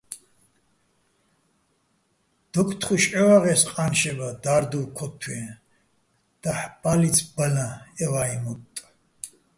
დოკთხუშ ჺევაღე́ს ყა́ნშება და́რდუვ ქოთთვიენო̆: დაჰ̦ ბა́ლიც ბალაჼ ე ვა́იჼ მოტტ.